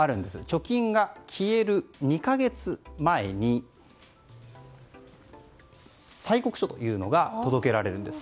貯金が消える２か月前に催告書というのが届けられるんです。